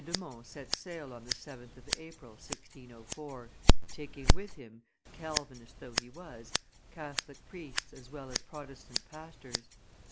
de Monts set sail on the 7th of April, 1604, taking with him, Calvinist though he was, Catholic priests as well as Protestant pastors.